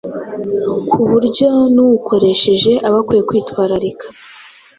ku buryo n’uwukoresheje aba akwiriye kwitwararika